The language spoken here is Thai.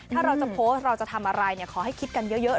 ถ้าเราจะโพสต์เราจะทำอะไรขอให้คิดกันเยอะ